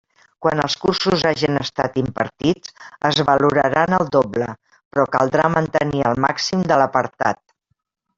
Quan els cursos hagen estat impartits, es valoraran el doble, però caldrà mantenir el màxim de l'apartat.